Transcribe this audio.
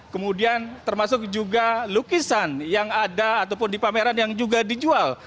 kemudian termasuk juga lukisan yang ada ataupun di pameran yang juga dijual